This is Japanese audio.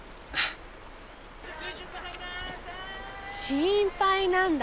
心配なんだ。